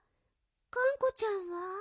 がんこちゃんは？